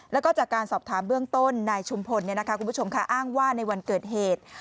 แล้วก็จากการสอบถามเบื้องต้นนายชุมพลคุณผู้ชมค่ะอ้างว่าในวันเกิดเหตุ